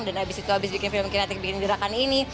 dan habis itu habis bikin film kinetic bikin gerakan ini